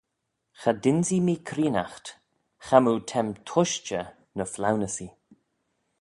Cha dynsee mee creenaght, chamoo t'aym tushtey ny flaunyssee.